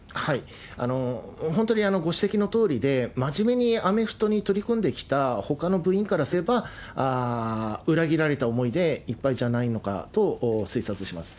本当に、ご指摘のとおりで、まじめにアメフトに取り組んできたほかの部員からすれば、裏切られた思いでいっぱいじゃないのかと推察します。